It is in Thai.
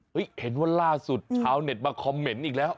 เห็นว่าล่าสุดชาวเน็ตมาคอมเมนต์อีกแล้ว